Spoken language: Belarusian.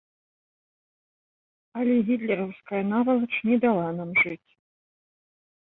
Але гітлераўская навалач не дала нам жыць.